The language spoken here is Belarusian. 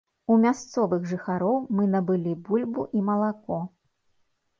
У мясцовых жыхароў мы набылі бульбу і малако.